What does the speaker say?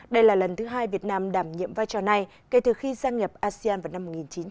đây là lần thứ hai việt nam đảm nhiệm vai trò này kể từ khi gia nhập asean vào năm một nghìn chín trăm chín mươi